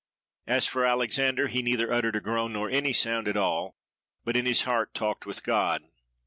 As for Alexander, he neither uttered a groan nor any sound at all, but in his heart talked with God.